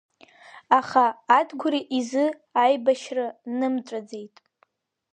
Аха Адгәыр изы аибашьра нымҵәаӡеит.